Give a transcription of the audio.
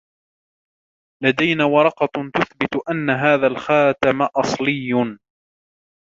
لدينا ورقة تثبت أن هذا الخاتم أصلي.